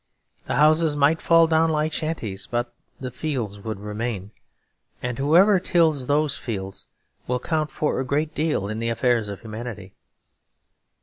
The houses might fall down like shanties, but the fields would remain; and whoever tills those fields will count for a great deal in the affairs of humanity.